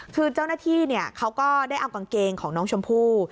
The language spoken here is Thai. คือเจ้าหน้าที่เขาก็ได้เอากางเกงของน้องชมพู่